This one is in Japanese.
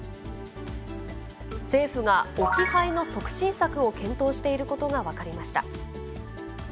政府が置き配の促進策を検討していることが分かりました。